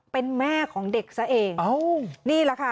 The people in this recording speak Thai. เป็นแม่ของเด็กซะเองนี่แหละค่ะ